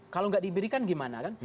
kalau nggak diberikan gimana kan